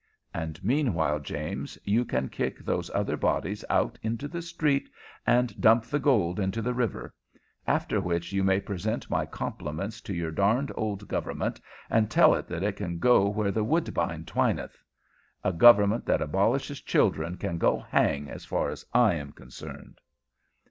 And meanwhile, James, you can kick those other bodies out into the street and dump the gold into the river; after which you may present my compliments to your darned old government, and tell it that it can go where the woodbine twineth. A government that abolishes children can go hang, so far as I am concerned."